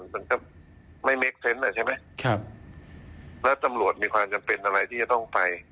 มันก็ไม่เมคเซนต์อ่ะใช่ไหมครับแล้วตำรวจมีความจำเป็นอะไรที่จะต้องไป